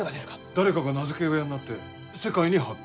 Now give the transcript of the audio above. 誰かが名付け親になって世界に発表する。